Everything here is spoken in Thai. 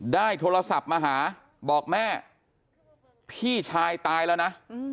ได้โทรศัพท์มาหาบอกแม่พี่ชายตายแล้วนะ